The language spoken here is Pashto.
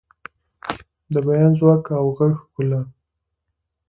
د بیان ځواک او غږیز ښکلا